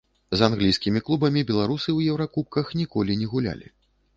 З англійскімі клубамі беларусы ў еўракубках ніколі не гулялі.